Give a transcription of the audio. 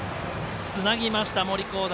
つなぎました、森煌誠。